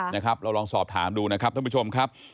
นะครับเราลองสอบถามดูนะครับท่านผู้ชมครับ